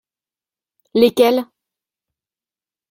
Lesquels ?